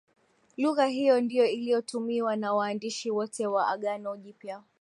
Lugha hiyo ndiyo iliyotumiwa na waandishi wote wa Agano Jipya